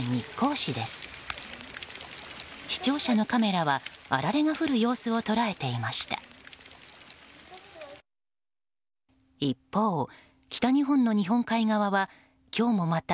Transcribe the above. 視聴者のカメラはあられが降る様子を捉えていました。